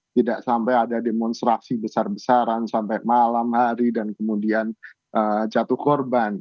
tidak sampai ada demonstrasi besar besaran sampai malam hari dan kemudian jatuh korban